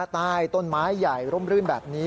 ใต้ต้นไม้ใหญ่ร่มรื่นแบบนี้